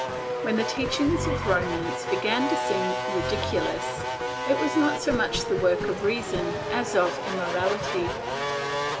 When the teachings of romance began to seem ridiculous, it was not so much the work of reason as of immorality.